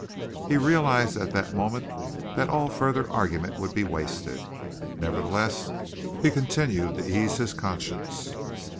He realized at that moment that all further argument would be wasted. Nevertheless, he continued to ease his conscience.